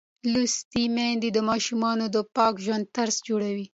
لوستې میندې د ماشومانو د پاک ژوند طرز جوړوي.